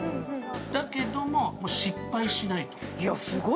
だけども、失敗しないと。